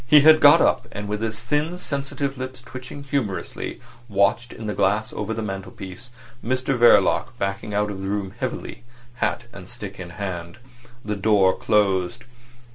He had got up, and with his thin sensitive lips twitching humorously, watched in the glass over the mantelpiece Mr Verloc backing out of the room heavily, hat and stick in hand. The door closed.